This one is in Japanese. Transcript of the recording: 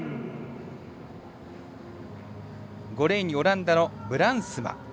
５レーンにオランダのブランスマ。